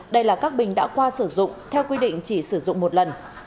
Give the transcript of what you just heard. đây là các bình đã qua sử dụng theo quy định chỉ sử dụng một lần